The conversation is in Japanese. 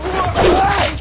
おい！